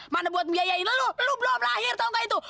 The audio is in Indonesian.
mana buat biayain lo lo belum lahir tahu gak itu